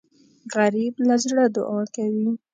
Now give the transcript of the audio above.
غریب له زړه دعا کوي